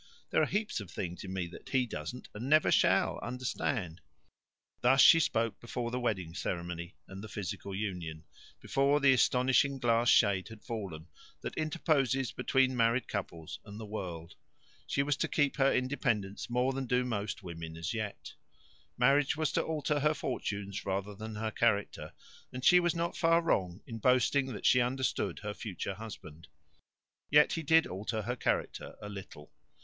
There are heaps of things in me that he doesn't, and shall never, understand." Thus she spoke before the wedding ceremony and the physical union, before the astonishing glass shade had fallen that interposes between married couples and the world. She was to keep her independence more than do most women as yet. Marriage was to alter her fortunes rather than her character, and she was not far wrong in boasting that she understood her future husband. Yet he did alter her character a little.